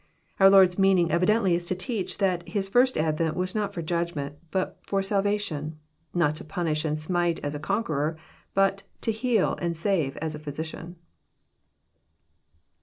Our Lord*s meaning evidently is to teach that His First Advent was not for Judgment, but for salvation, not to punish and smite as a conqueror, but to heal and save as a phy sician.